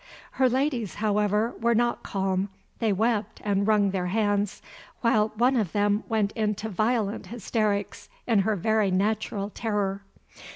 Her ladies, however, were not calm. They wept and wrung their hands, while one of them went into violent hysterics in her very natural terror.